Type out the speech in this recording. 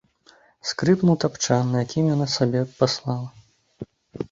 Скрыпнуў тапчан, на якім яна сабе паслала.